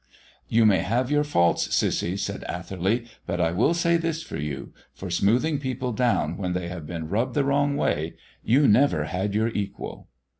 "You may have your faults, Cissy," said Atherley, "but I will say this for you for smoothing people down when they have been rubbed the wrong way, you never had your equal."